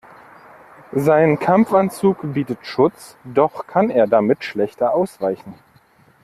Sein Kampfanzug bietet Schutz, doch kann er damit schlechter ausweichen.